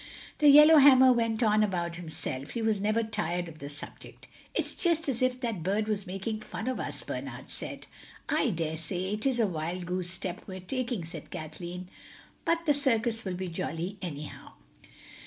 The yellowhammer went on about himself—he was never tired of the subject. "It's just as if that bird was making fun of us," Bernard said. "I daresay it is a wild goose step we're taking," said Kathleen; "but the circus will be jolly, anyhow."